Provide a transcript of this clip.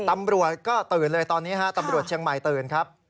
ตำรวจก็ตื่นเลยตอนนี้ฮะตำรวจเชียงใหม่ตื่นครับ